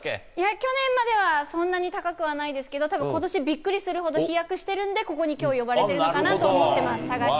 去年まではそんなに高くはないですけど、たぶんことし、びっくりするほど飛躍してるんで、ここにきょう呼ばれてるのかなと思ってます、佐賀県。